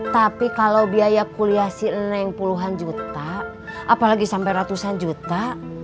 tapi kalau biaya kuliah si neng puluhan juta apalagi sampai ratusan juta